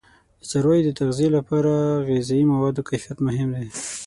د څارویو د تغذیه لپاره د غذایي موادو کیفیت مهم دی.